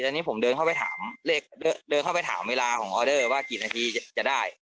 แล้วนี้ผมเดินเข้าไปถามเวลาของออเดอร์ว่ากี่นาทีจะได้